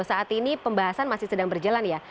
saat ini pembahasan masih sedang berjalan ya